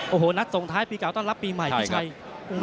โอ้โหนัดส่งท้ายปีเก่าต้อนรับปีใหม่พี่ชัย